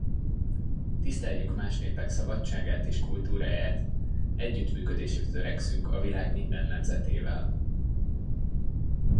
Tiszteljük más népek szabadságát és kultúráját, együttműködésre törekszünk a világ minden nemzetével.